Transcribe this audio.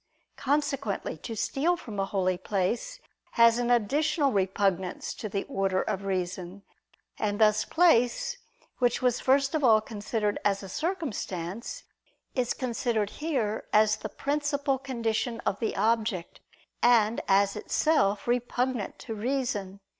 Consequently to steal from a holy place has an additional repugnance to the order of reason. And thus place, which was first of all considered as a circumstance, is considered here as the principal condition of the object, and as itself repugnant to reason.